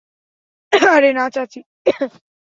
আরে না চাচী।